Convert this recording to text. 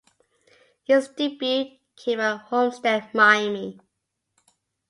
His debut came at Homestead-Miami.